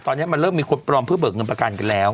ตอนนี้มันเริ่มมีคนปลอมเพื่อเบิกเงินประกันกันแล้ว